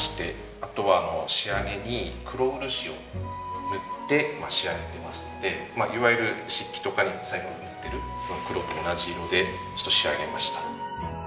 あとは仕上げに黒漆を塗って仕上げてますのでいわゆる漆器とかに最後に塗ってる黒と同じ色で仕上げました。